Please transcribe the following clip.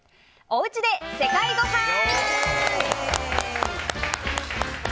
おうちで世界ごはん。